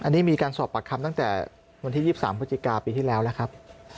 อันนี้มีการสอบปากคำตั้งแต่วันที่๒๓พฤศจิกาปีที่แล้วแล้วครับ